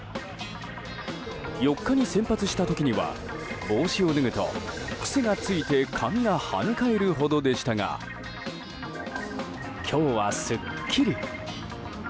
４日に先発した時には帽子を脱ぐと癖がついて髪が跳ね返るほどでしたが今日は、すっきり。